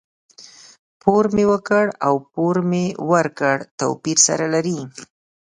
پور مي ورکړ او پور مې ورکړ؛ توپير سره لري.